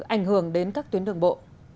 ảnh hưởng đến các tuyến đường bộ